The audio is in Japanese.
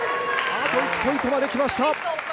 あと１ポイントまで来ました。